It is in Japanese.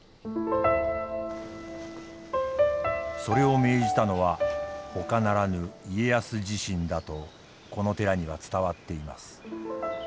それを命じたのはほかならぬ家康自身だとこの寺には伝わっています。